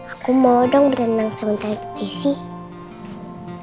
aku mau dong berenang sama tante jisih